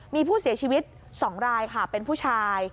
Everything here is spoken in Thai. มีผู้เสียชีวิต๒รายค่ะเป็นผู้ชาย